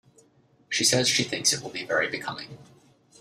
She says she thinks it will be very becoming.